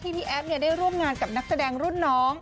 พี่แอฟได้ร่วมงานกับนักแสดงรุ่นน้อง